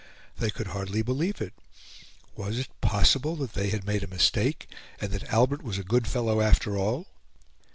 They could hardly believe it; was it possible that they had made a mistake, and that Albert was a good fellow after all?